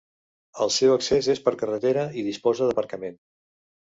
El seu accés és per carretera i disposa d'aparcament.